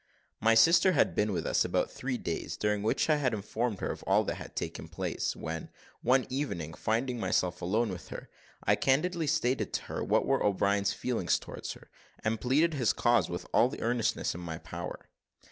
My sister had been with us about three days, during which I had informed her of all that had taken place, when, one evening finding myself alone with her, I candidly stated to her what were O'Brien's feelings towards her, and pleaded his cause with all the earnestness in my power.